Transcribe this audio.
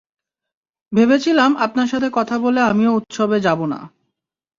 ভেবেছিলাম আপনার সাথে কথা বলে আমিও উৎসবে যাব না।